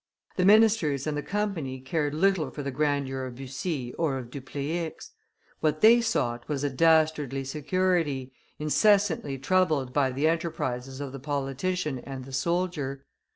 The ministers and the Company cared little for the grandeur of Bussy or of Dupleix; what they sought was a dastardly security, incessantly troubled by the enterprises of the politician and the soldier.